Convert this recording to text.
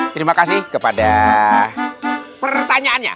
terima kasih kepada pertanyaannya